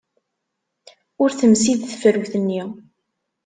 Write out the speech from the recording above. Ur temsid tefrut-nni.